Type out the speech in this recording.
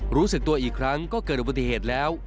รู้สึกตัวอีกครั้งก็เกิดอุบัติเหตุแล้ว